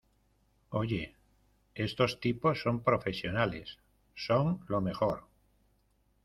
Oye, estos tipos son profesionales. Son lo mejor .